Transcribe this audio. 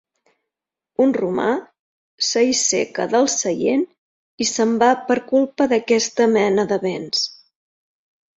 Un romà s'aiseca del seient i se'n va per culpa d'aquesta mena de bens.